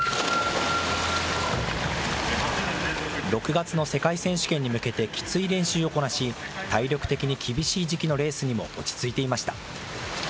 ６月の世界選手権に向けてきつい練習をこなし、体力的に厳しい時期のレースにも落ち着いていました。